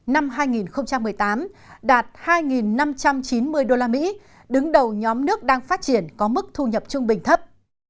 năm hai nghìn một mươi tám đạt hai năm trăm chín mươi usd đứng đầu nhóm nước đang phát triển có mức thu nhập trung bình thấp